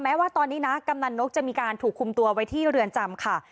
ว่าตอนนี้นะกำนันนกจะมีการถูกคุมตัวไว้ที่เรือนจำค่ะ